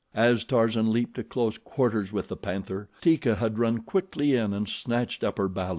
As Tarzan leaped to close quarters with the panther, Teeka had run quickly in and snatched up her balu.